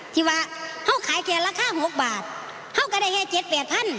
ที่ว่าเขาขายแค่ราคา๖บาทเขาก็ได้แค่เจ็ดแปดพัน